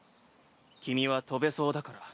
君は飛べそうだから。